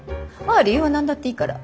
ああ理由は何だっていいから。